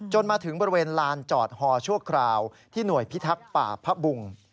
มาถึงบริเวณลานจอดฮอชั่วคราวที่หน่วยพิทักษ์ป่าพุง